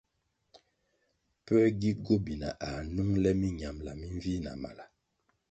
Pue gi gobina ā nung le minambʼla minvih na mala?